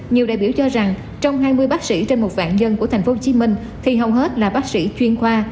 nhiều đại biểu cho rằng trong hai mươi bác sĩ trên một vạn dân của tp hcm thì hầu hết là bác sĩ chuyên khoa